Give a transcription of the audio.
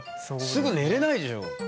すぐ寝れないでしょう。